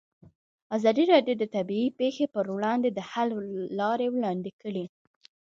ازادي راډیو د طبیعي پېښې پر وړاندې د حل لارې وړاندې کړي.